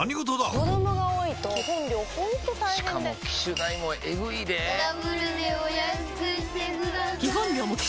子供が多いと基本料ほんと大変でしかも機種代もエグいでぇダブルでお安くしてください